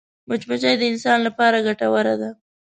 مچمچۍ د انسان لپاره ګټوره ده